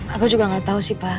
aku juga gak tau sih pa